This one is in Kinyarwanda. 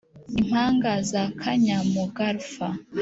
Impanga za Kanyamugarfa